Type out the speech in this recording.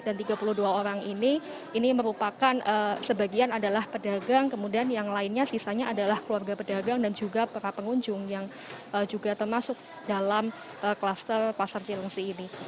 dan tiga puluh dua orang ini merupakan sebagian adalah pedagang kemudian yang lainnya sisanya adalah keluarga pedagang dan juga para pengunjung yang juga termasuk dalam kluster pasar cilangsi ini